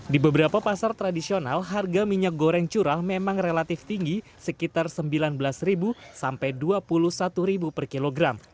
di beberapa pasar tradisional harga minyak goreng curah memang relatif tinggi sekitar rp sembilan belas sampai rp dua puluh satu per kilogram